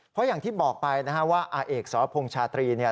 เพราะอย่างที่บอกไปนะครับว่าอาเอกสรพงศ์ชาตรี